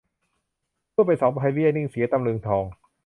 พูดไปสองไพเบี้ย นิ่งเสียตำลึงทอง